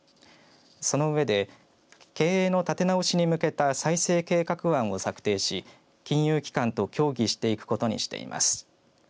その上で経営の立て直しに向けた再生計画案を策定し金融機関と協議していくことにしています。